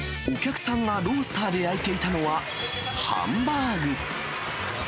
お客さんがロースターで焼いていたのは、ハンバーグ。